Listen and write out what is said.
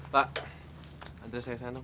pak andresnya kesana dong